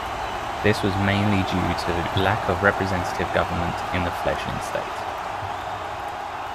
This was mainly due to lack of representative government in the fledgling state.